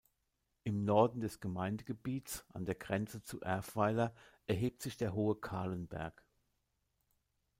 Im Norden des Gemeindegebiets an der Grenze zu Erfweiler erhebt sich der hohe Kahlenberg.